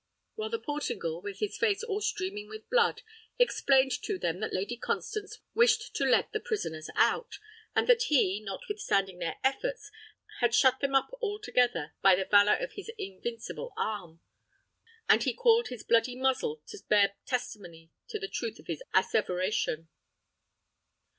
While the Portingal, with his face all streaming with blood, explained to them that Lady Constance wished to let the prisoners out; and that he, notwithstanding their efforts, had shut them up all together, by the valour of his invincible arm, and he called his bloody muzzle to bear testimony to the truth of his asseveration.